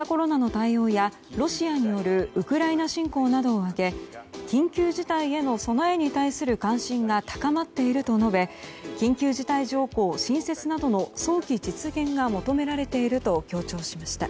新型コロナの対応やロシアによるウクライナ侵攻などを挙げ緊急事態への備えに対する関心が高まっていると述べ緊急事態条項新設などの早期実現が求められていると強調しました。